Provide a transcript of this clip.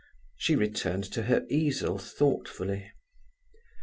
She returned to her easel thoughtfully.